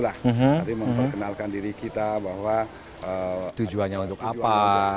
tapi memperkenalkan diri kita bahwa tujuannya untuk apa